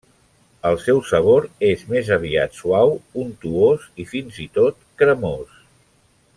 El seu sabor és més aviat suau, untuós i fins i tot cremós.